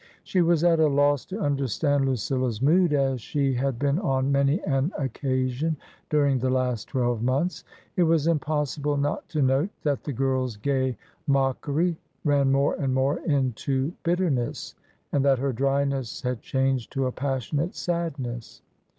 She was at a loss to understand Lucilla's mood, as she had been on many an occasion during the last twelve months. It was impossible not to note that the girl's gay mockery ran more and more into bitterness and that her dryness had changed to a passionate sad ness.